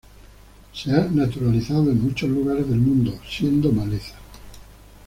Se ha naturalizado en muchos lugares del mundo, siendo maleza